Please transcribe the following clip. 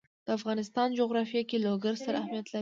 د افغانستان جغرافیه کې لوگر ستر اهمیت لري.